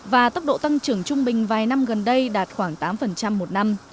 và tốc độ tăng trưởng trung bình vài năm gần đây đạt khoảng tám một năm